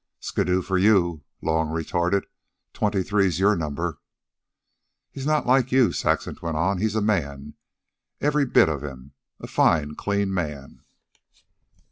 "Skiddoo for you," Long retorted. "Twenty three's your number." "He's not like you," Saxon went on. "He's a man, every bit of him, a fine, clean man."